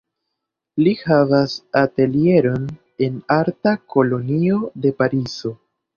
Li havas atelieron en arta kolonio de Parizo.